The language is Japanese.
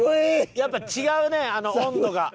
やっぱり違うね温度が。